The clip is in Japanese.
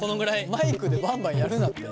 マイクでバンバンやるなって。